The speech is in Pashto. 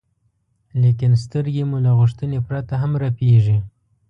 لیکن سترګې مو له غوښتنې پرته هم رپېږي.